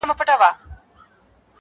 هغه چنار ته د مرغیو ځالګۍ نه راځي-